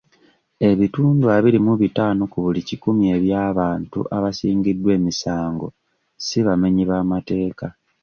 Ebitundu abiri mu bitaano ku buli kikumi eby'abantu abasingisiddwa emisango si bamenyi b'amateeka.